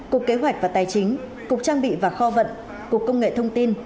cục kế hoạch và tài chính cục trang bị và kho vận cục công nghệ thông tin